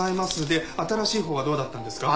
で新しいほうはどうだったんですか？